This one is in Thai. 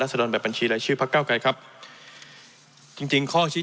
สดรแบบบัญชีรายชื่อพักเก้าไกรครับจริงจริงข้อชี้